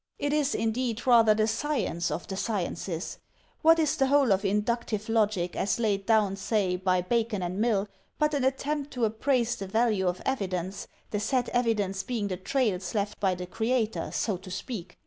It is, indeed, rather the science of the sciences. What is the whole of Inductive logic, as laid down, say, by Bacon and Mill, but an attempt to appraise the value of evidence, the said evidence being the trails left by the Creator, so to speak?